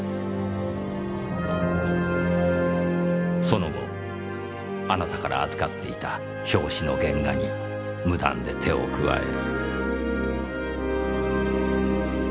その後あなたから預かっていた表紙の原画に無断で手を加え。